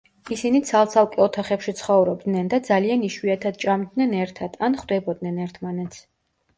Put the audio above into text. ისინი ცალ-ცალკე ოთახებში ცხოვრობდნენ და ძალიან იშვიათად ჭამდნენ ერთად, ან ხვდებოდნენ ერთმანეთს.